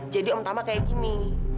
jadi om tamah kayak gini